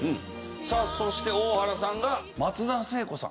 さあそして大原さんが松田聖子さん。